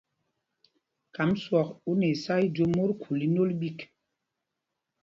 Kam swɔk u nɛ isá i jüe mot khul tí nôl ê.